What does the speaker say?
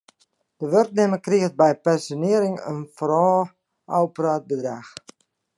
De wurknimmer kriget by pensjonearring in foarôf ôfpraat bedrach.